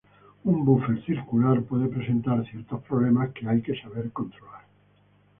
Un buffer circular puede presentar ciertos problemas que hay que saber controlar.